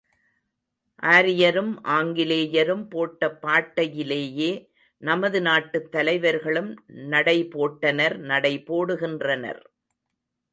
ஆரியரும் ஆங்கிலேயரும் போட்ட பாட்டையிலேயே நமது நாட்டுத் தலைவர்களும் நடைபோட்டனர் நடை போடுகின்றனர்.